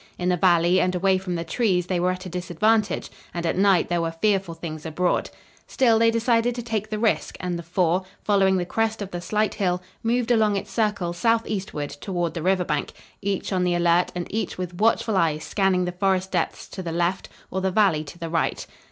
In the valley and away from the trees they were at a disadvantage and at night there were fearful things abroad. Still, they decided to take the risk, and the four, following the crest of the slight hill, moved along its circle southeastward toward the river bank, each on the alert and each with watchful eyes scanning the forest depths to the left or the valley to the right.